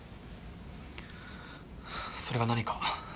それが何か？